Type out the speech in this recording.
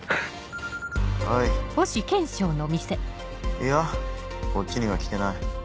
いやこっちには来てない。